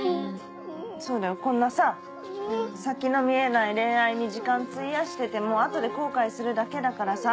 そうだよこんな先の見えない恋愛に時間費やしてても後で後悔するだけだからさ。